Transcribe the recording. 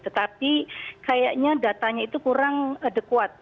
tetapi kayaknya datanya itu kurang adekuat